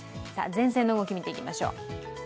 前線の動きを見ていきましょう。